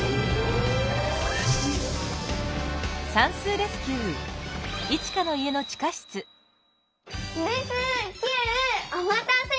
レスキューおまたせ！